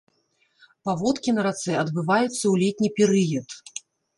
Паводкі на рацэ адбываюцца ў летні перыяд.